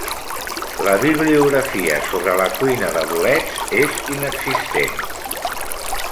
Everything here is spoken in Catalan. La bibliografia sobre la cuina de bolets és inexistent